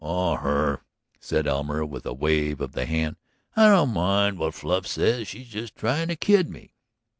"Oh, her," said Elmer with a wave of the hand. "I don't mind what Fluff says. She's just trying to kid me."